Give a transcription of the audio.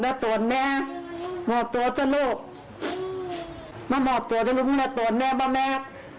าตูฟแม่หมอบตัวจั๊ะลูกมาหมอบตัวที่ลุแม่ตูนแม่ป่าแม่